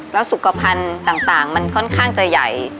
แล้วสุขภัณฑ์ต่างมันค่อนข้างจะใหญ่